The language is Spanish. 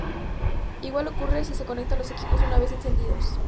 Igual ocurre si se conectan los equipos una vez encendidos.